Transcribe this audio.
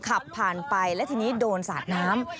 ขับผ่านไปแล้วทีนี้โดนสาดน้ำ